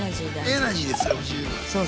エナジーですそれも十分。